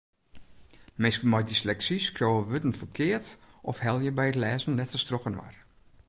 Minsken mei dysleksy skriuwe wurden ferkeard of helje by it lêzen letters trochinoar.